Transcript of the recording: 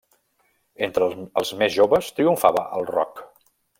Entre els més joves triomfava el rock.